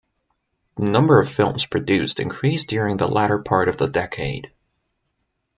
The number of films produced increased during the latter part of the decade.